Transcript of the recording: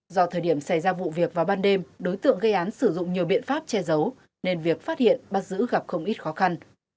do thời điểm xảy ra vụ việc vào ban đêm đối tượng gây án sử dụng nhiều biện pháp che giấu nên việc phát hiện bắt giữ gặp không ít khó khăn